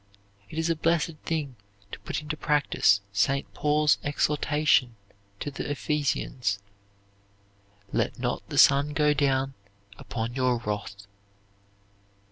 It is a blessed thing to put into practise St. Paul's exhortation to the Ephesians: "Let not the sun go down upon your wrath."